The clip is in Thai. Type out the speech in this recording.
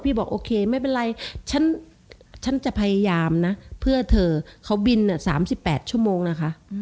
บอกโอเคไม่เป็นไรฉันจะพยายามนะเพื่อเธอเขาบิน๓๘ชั่วโมงนะคะ